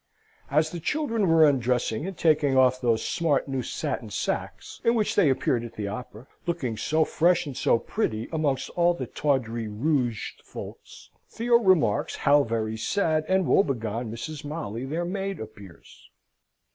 As the children are undressing and taking off those smart new satin sacks in which they appeared at the Opera, looking so fresh and so pretty amongst all the tawdry rouged folks, Theo remarks how very sad and woebegone Mrs. Molly their maid appears.